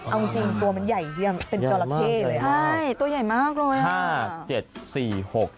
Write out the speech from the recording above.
เอาจริงตัวมันใหญ่เยี่ยมเป็นจอร์ลาเท่เลยอ่ะใช่ตัวใหญ่มากเลยอ่ะ